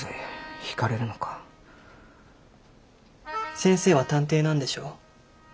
先生は探偵なんでしょ？